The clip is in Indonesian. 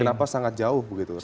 dan kenapa sangat jauh begitu riz